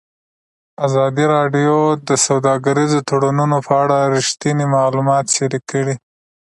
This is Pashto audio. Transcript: ازادي راډیو د سوداګریز تړونونه په اړه رښتیني معلومات شریک کړي.